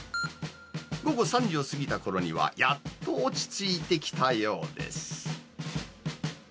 午後３時を過ぎたころには、やっと落ち着いてきたようです。